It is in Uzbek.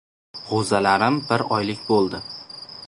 G‘o‘zalarim bir oylik bo‘ldi.